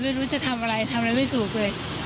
ไม่รู้จะทำอะไรทำอะไรไม่ถูกเลย